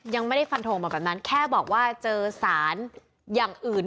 ยังไม่ได้ฟันทงมาแบบนั้นแค่บอกว่าเจอสารอย่างอื่น